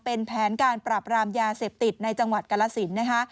เป็นแผนการปราบรามยาเสพติดในจังหวัดกรสินนะคะ